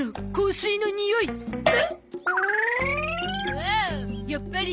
おおやっぱり。